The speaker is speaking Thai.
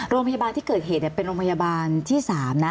โรงพยาบาลที่เกิดเหตุเป็นโรงพยาบาลที่๓นะ